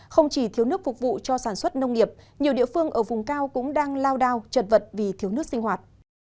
không chỉ thiếu nước phục vụ cho sản xuất nông nghiệp nhiều địa phương ở vùng cao cũng đang lao đao chật vật vì thiếu nước sinh hoạt